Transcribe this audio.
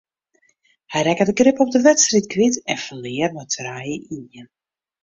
Hy rekke de grip op de wedstryd kwyt en ferlear mei trije ien.